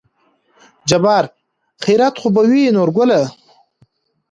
جبار : خېرت خو به وي نورګله